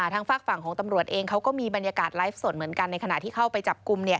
ทางฝากฝั่งของตำรวจเองเขาก็มีบรรยากาศไลฟ์สดเหมือนกันในขณะที่เข้าไปจับกลุ่ม